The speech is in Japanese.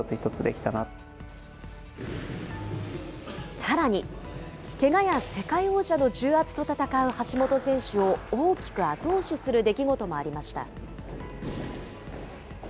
さらに、けがや世界王者の重圧と戦う橋本選手を大きく後押しする出来事もありました。